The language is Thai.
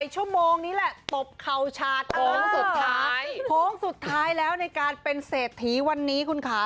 ชั่วโมงนี้แหละตบเข่าฉาดโค้งสุดท้ายโค้งสุดท้ายแล้วในการเป็นเศรษฐีวันนี้คุณค่ะ